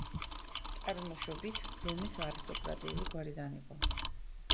წარმოშობით რომის არისტოკრატიული გვარიდან იყო.